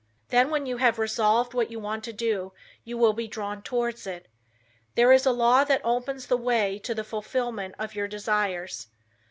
Then when you have resolved what you want to do, you will be drawn towards it. There is a law that opens the way to the fulfillment of your desires.